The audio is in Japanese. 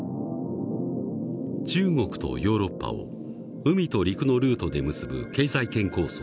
中国とヨーロッパを海と陸のルートで結ぶ経済圏構想